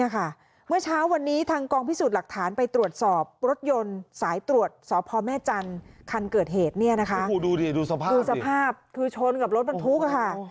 คือชนกับรถบันทุกข์ค่ะ